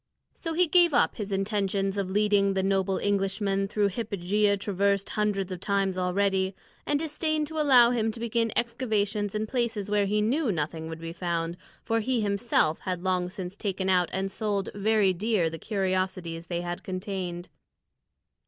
So he gave up his intention of leading the noble Englishman through hypogea traversed hundreds of times already, and disdained to allow him to begin excavations in places where he knew nothing would be found; for he himself had long since taken out and sold very dear the curiosities they had contained.